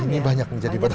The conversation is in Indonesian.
ini banyak menjadi botol